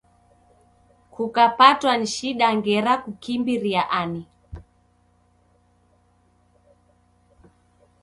Kukapatwa ni shida ngera kukimbiria ani